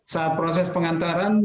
saat proses pengantaran